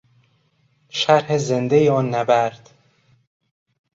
شرح زندهی آن نبرد